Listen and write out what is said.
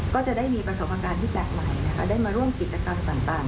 ก็จะได้มีประสบความการที่แบกใหม่ได้มาร่วมกิจกรรมต่าง